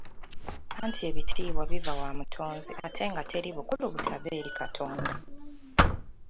Anti ebitiibwa biva wa mutonzi ate nga teri bukulu butava eri Katonda.